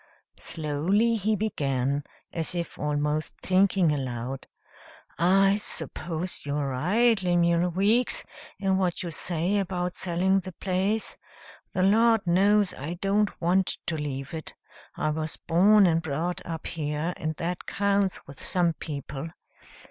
Slowly he began, as if almost thinking aloud, "I suppose you are right, Lemuel Weeks, in what you say about selling the place. The Lord knows I don't want to leave it. I was born and brought up here, and that counts with some people.